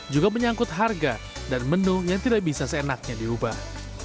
juga menyangkut harga dan menu yang tidak bisa seenaknya diubah